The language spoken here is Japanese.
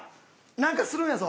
なんかするんやぞ。